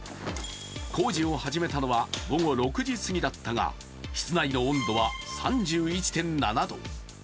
工事を始めたのは午後６時すぎだったが室内の温度は３１．７度。